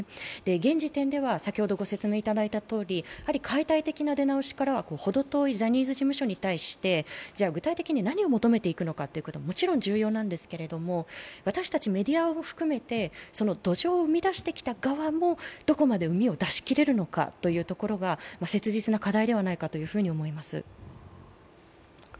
現時点では、解体的な出直しからは程遠いジャニーズ事務所に対して具体的に何を求めていくのかはもちろん重要なんですけれども私たちメディアを含めて土壌をうみだしてきた側もどこまで膿を出し切れるのかというところが切実な課題ではないかと思います。